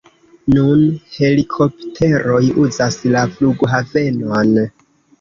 Nun helikopteroj uzas la flughavenon.